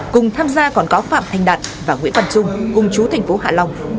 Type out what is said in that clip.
cùng tham gia còn có phạm thanh đạt và nguyễn phần trung cung chú tp hạ long